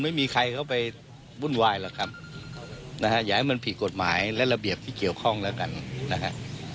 ไม่มีใครเข้าไปวุ่นวายหรอกครับนะฮะอย่าให้มันผิดกฎหมายและระเบียบที่เกี่ยวข้องแล้วกันนะฮะ